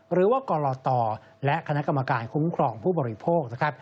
หรือว่ากรตและคณะกรรมการคุ้มครองผู้บริโภคนะครับ